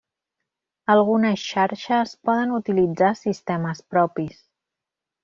Algunes xarxes poden utilitzar sistemes propis.